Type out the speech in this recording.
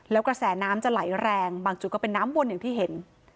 แล้วกระแสน้ำจะไหลแรงบางจุดก็เป็นน้ำวนอย่างที่เห็น